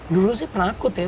dulu sih penakut ya